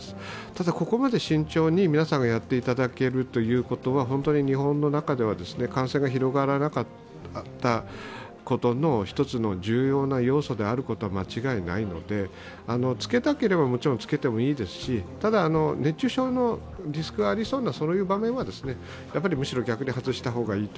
ただ、ここまで慎重に皆さんがやっていただけるということは本当に日本の中では感染が広がらなかったことの一つの重要な要素であることは間違いないので着けたければもちろんつけてもいいですし、ただ、熱中症のリスクがありそうなそういう場面ではむしろ逆に外した方がいい。